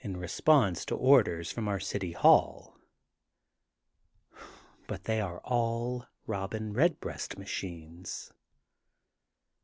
response to orders from our City Hall. But they are all Robin Redbreast machines.